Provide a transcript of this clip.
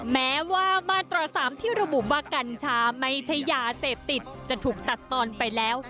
แม้ว่ามาตรา๓ที่ระบุว่ากัญชาไม่ใช่ยาเสพติดจะถูกตัดตอนไปแล้ว